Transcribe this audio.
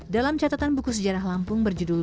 dalam catatan buku sejarah lampung berjudul